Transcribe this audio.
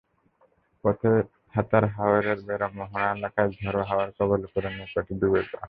পথে ছাতার হাওরের বেড়ামোহনা এলাকায় ঝোড়ো হাওয়ার কবলে পড়ে নৌকাটি ডুবে যায়।